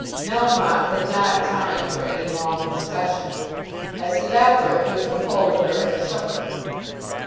Melmotte had not time for any long discussion. As he left her he took hold of her and shook her.